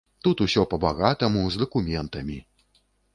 Тут усё па-багатаму, з дакументамі.